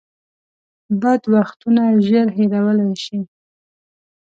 بد وختونه ژر هېرولی شئ .